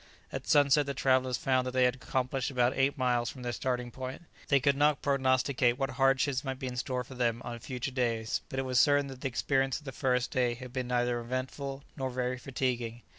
At sunset the travellers found that they had accomplished about eight miles from their starting point. They could not prognosticate what hardships might be in store for them on future days, but it was certain that the experiences of the first day had been neither eventful nor very fatiguing.